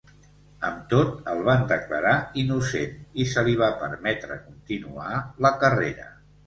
Amb tot, el van declarar innocent i se li va permetre continuar la carrera.